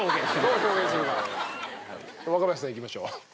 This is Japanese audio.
若林さんいきましょう。